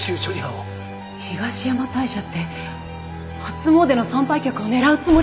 東山大社って初詣の参拝客を狙うつもり！？